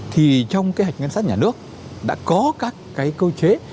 thì trong cái hệ ngân sách nhà nước đã có các cái cơ chế